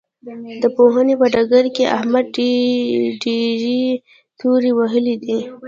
د پوهنې په ډګر کې احمد ډېرې تورې وهلې دي.